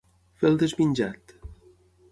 Fer el desmenjat.